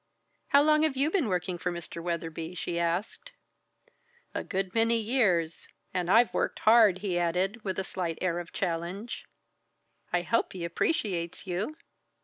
"How long have you been working for Mr. Weatherby?" she asked. "A good many years and I've worked hard!" he added, with a slight air of challenge. "I hope he appreciates you?"